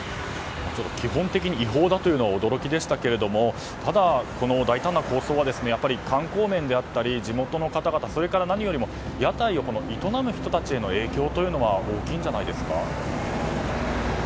基本的に違法だというのは驚きでしたがただ、この大胆な構想は観光面であったり地元の方々、それから何よりも屋台を営む人々への影響が大きいんじゃないですか？